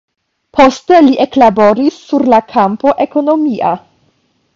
Poste li eklaboris sur la kampo ekonomia.